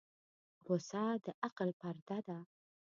غوسه د عقل پرده ده.